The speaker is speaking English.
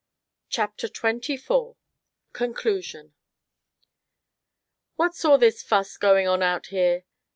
CHAPTER XXIV CONCLUSION "What's all this fuss going on out here?"